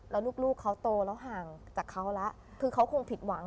แล้วลูกเขาโตแล้วห่างจากเขาแล้วคือเขาคงผิดหวัง